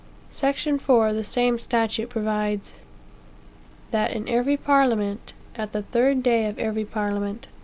Section 4, of the same statute provides, "That in every Parliament, at the third day of every Parliament.